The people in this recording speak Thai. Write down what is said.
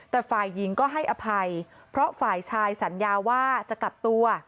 แต่ฝ่ายหญิงก็ให้อภัยเพราะฝ่ายชายสัญญาว่าจะกลับตัว